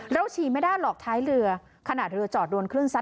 ฉี่ไม่ได้หรอกท้ายเรือขนาดเรือจอดโดนคลื่นซัด